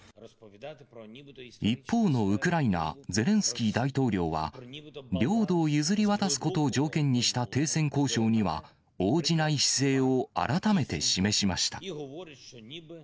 一方のウクライナ、ゼレンスキー大統領は、領土を譲り渡すことを条件にした停戦交渉には、応じない姿勢を改めて示しました。